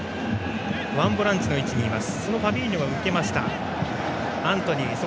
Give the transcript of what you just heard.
ワンボランチの位置です。